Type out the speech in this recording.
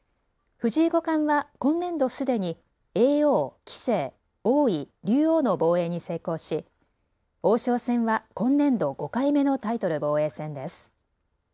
藤井五冠は今年度すでに叡王、棋聖、王位、竜王の防衛に成功し王将戦は今年度５回目のタイトル防衛戦です。